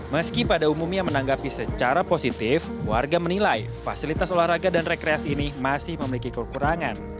meski pada umumnya menanggapi secara positif warga menilai fasilitas olahraga dan rekreasi ini masih memiliki kekurangan